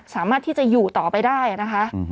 สามารถที่จะอยู่ต่อไปได้นะคะ